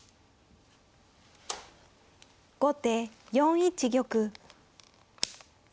後手４一玉。